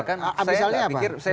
saya tidak pikir